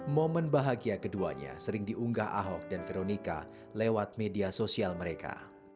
momen bahagia keduanya sering diunggah ahok dan veronica lewat media sosial mereka